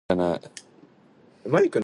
時計の針が進む。